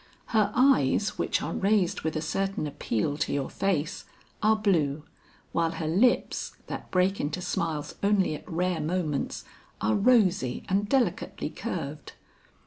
Her eyes which are raised with a certain appeal to your face, are blue, while her lips that break into smiles only at rare moments, are rosy and delicately curved.